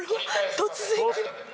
突然。